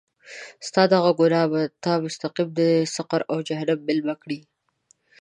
ستا دغه ګناه به تا مستقیماً د سقر او جهنم میلمه کړي.